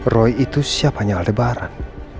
roy itu siapanya aldebaran